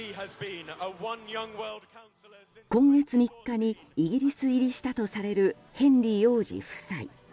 今月３日にイギリス入りしたとされるヘンリー王子夫妻。